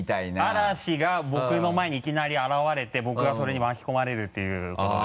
嵐が僕の前にいきなり現れて僕がそれに巻き込まれるっていうことで。